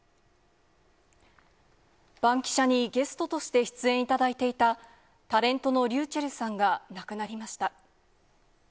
バンキシャ！にゲストとして出演いただいていた、タレントのｒｙｕｃｈｅｌｌさんが亡くなりました。